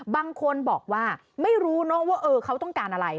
บางคนบอกว่าไม่รู้เนอะว่าเขาต้องการอะไร